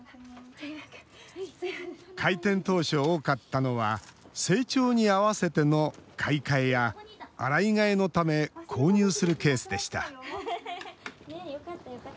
開店当初、多かったのは、成長に合わせての買い替えや洗い替えのため、購入するケースでした。